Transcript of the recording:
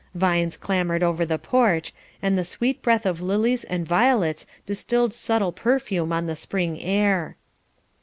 Vines clambered over the porch, and the sweet breath of lilies and violets distilled subtle perfume on the spring air.